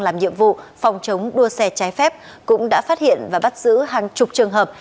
làm nhiệm vụ phòng chống đua xe trái phép cũng đã phát hiện và bắt giữ hàng chục trường hợp